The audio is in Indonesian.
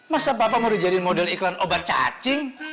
masa papa mau dijadikan model iklan obat cacing